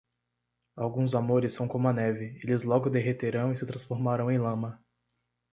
Alguns amores são como a neve: eles logo derreterão e se transformarão em lama.